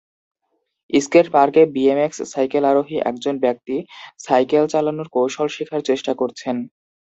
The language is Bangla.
স্কেট পার্কে বিএমএক্স সাইকেল আরোহী একজন ব্যক্তি সাইকেল চালানোর কৌশল শেখার চেষ্টা করছেন।